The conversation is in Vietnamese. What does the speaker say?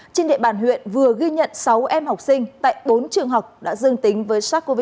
trên địa bàn huyện vừa ghi nhận sáu em học sinh tại bốn trường học đã dương tính với sars cov hai